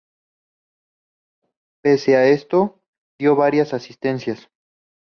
Pese a esto dio varias asistencias.